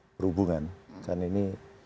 perhubungan karena ini